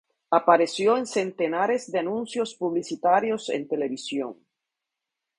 Apareció en centenares de anuncios publicitarios en televisión.